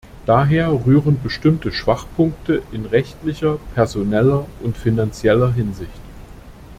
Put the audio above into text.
Daher rühren bestimmte Schwachpunkte in rechtlicher, personeller und finanzieller Hinsicht.